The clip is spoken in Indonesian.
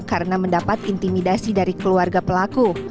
karena mendapat intimidasi dari keluarga pelaku